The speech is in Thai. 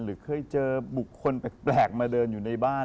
เคยเจอบุคคลแปลกมาเดินอยู่ในบ้าน